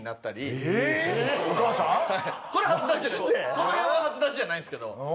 このへんは初出しじゃないんですけど。